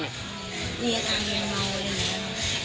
มีอาการที่เขาเมาเลยไหม